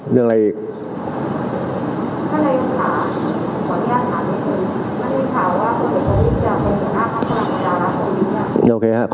เรื่องอะไรอีก